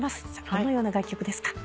どのような楽曲ですか？